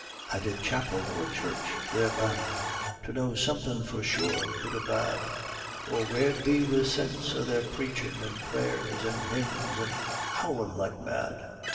And in chapel or church they're bound to know somethin' for sure, good or bad, Or where'd be the sinse o' their preachin' an' prayers an' hymns an' howlin' like mad?